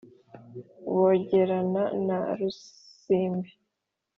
bogerana ba rusimbi